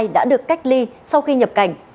đã được cách ly sau khi nhập cảnh